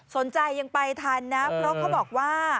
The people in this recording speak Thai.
ยังไปทันนะเพราะเขาบอกว่า